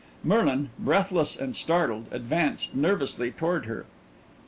Merlin, breathless and startled, advanced nervously toward her.